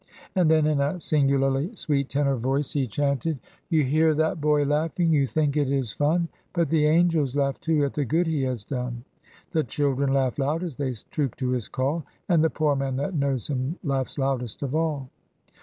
And then in a singularly sweet tenor voice he chanted, "You hear that boy laughing? You think it is fun, But the angels laugh too at the good he has done. The children laugh loud as they troop to his call, And the poor man that knows him laughs loudest of all."